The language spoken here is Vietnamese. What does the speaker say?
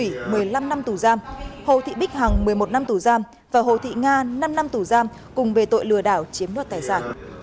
hội đồng xét xử đã tuyên phạt hồ thị bích thủy một mươi năm năm tù giam hồ thị bích hằng một mươi một năm tù giam và hồ thị nga năm năm tù giam cùng về tội lừa đảo chiếm đoạt tài giả